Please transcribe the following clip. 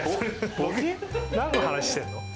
何の話してんの？